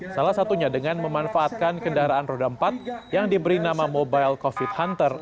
salah satunya dengan memanfaatkan kendaraan roda empat yang diberi nama mobile covid hunter